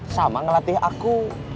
sama ngelatih aku